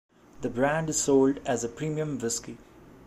The brand is sold as a premium whisky.